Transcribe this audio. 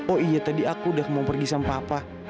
oh iya tadi aku udah mau pergi sama apa